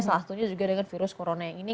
salah satunya juga dengan virus corona ini